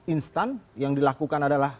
instan yang dilakukan adalah